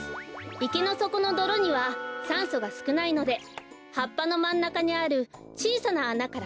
いけのそこのどろにはさんそがすくないのではっぱのまんなかにあるちいさなあなからくうきをすい